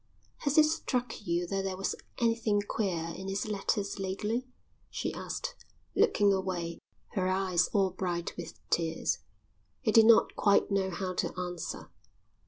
"Has it struck you that there was anything queer in his letters lately?" she asked, looking away, her eyes all bright with tears. He did not quite know how to answer.